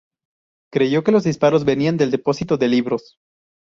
Creyó que los disparos venían del depósito de libros.